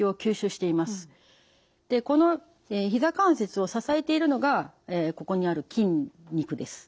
このひざ関節を支えているのがここにある筋肉です。